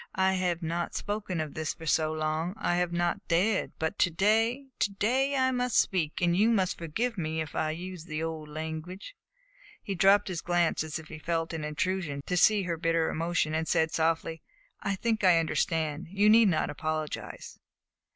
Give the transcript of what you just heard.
I have not spoken of all this for so long. I have not dared; but to day to day I must speak, and you must forgive me if I use the old language." He dropped his glance as if he felt it an intrusion to see her bitter emotion, and said softly: "I think I understand. You need not apologize."